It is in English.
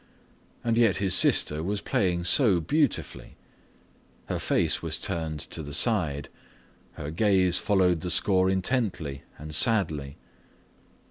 And yet his sister was playing so beautifully. Her face was turned to the side, her gaze followed the score intently and sadly.